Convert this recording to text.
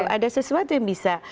ada sesuatu yang bisa